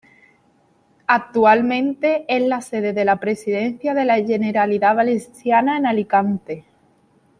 Actualmente, es la sede de la Presidencia de la Generalidad Valenciana en Alicante.